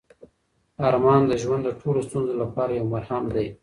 ارمان د ژوند د ټولو ستونزو لپاره یو مرهم دی.